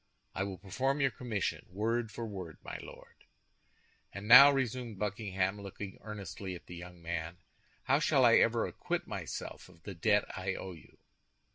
"I will perform your commission, word for word, my Lord." "And now," resumed Buckingham, looking earnestly at the young man, "how shall I ever acquit myself of the debt I owe you?"